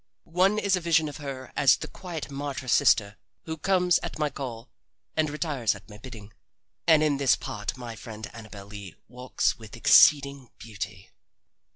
One is a vision of her as the quiet martyr sister who comes at my call and retires at my bidding and in this part my friend Annabel Lee walks with exceeding beauty.